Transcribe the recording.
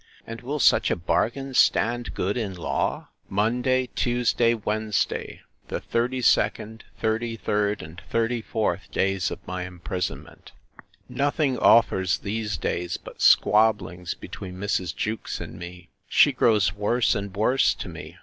—And will such a bargain stand good in law? Monday, Tuesday, Wednesday, the 32d, 33d, and 34th days of my imprisonment. Nothing offers these days but squabblings between Mrs. Jewkes and me. She grows worse and worse to me.